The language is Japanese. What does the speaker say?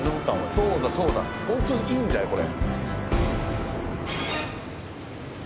そうだそうだホントにいいんだよこれ。